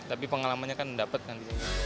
tapi pengalamannya kan dapat kan